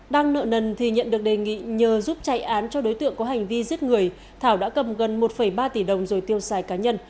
đang nợ nần thì nhận được đề nghị nhờ giúp chạy án cho đối tượng có hành vi giết người thảo đã cầm gần một ba tỷ đồng rồi tiêu xài cá nhân